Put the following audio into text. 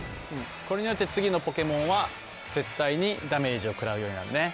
これによって次のポケモンは絶対にダメージをくらうようになるね。